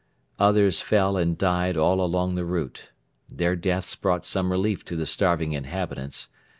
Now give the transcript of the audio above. Others fell and died all along the route. Their deaths brought some relief to the starving inhabitants.